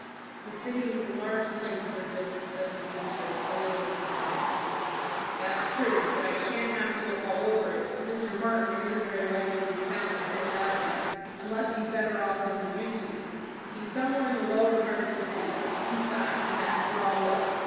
"The city is a large place, Rufus," said the seamstress, a little despondently. "That's true, but I shan't have to look all over it. Mr. Martin isn't very likely to be found in Fifth Avenue, unless he's better off than he used to be. He's somewhere in the lower part of the city, on the east side, and that's where I'll look.